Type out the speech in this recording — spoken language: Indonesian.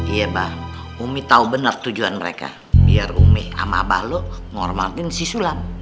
iya bah umi tau bener tujuan mereka biar umi sama abah lu nghormatin sisulam